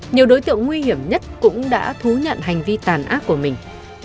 nhiều đối tượng nguy hiểm nhất cũng đã thú nhận hành vi tàn ác của mình